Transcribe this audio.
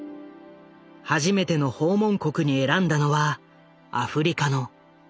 初めての訪問国に選んだのはアフリカのタンザニアだった。